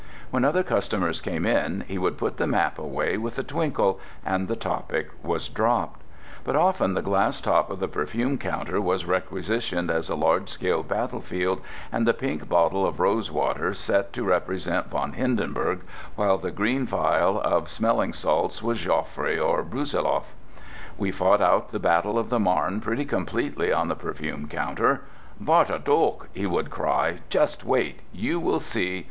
When other customers came in, he would put the map away with a twinkle, and the topic was dropped. But often the glass top of the perfume counter was requisitioned as a large scale battleground, and the pink bottle of rose water set to represent Von Hindenburg while the green phial of smelling salts was Joffre or Brussilov. We fought out the battle of the Marne pretty completely on the perfume counter. "Warte doch!" he would cry. "Just wait! You will see!